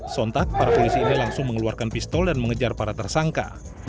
sontak para polisi ini langsung mengeluarkan pistol dan mengejar para tersangka